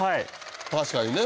確かにね。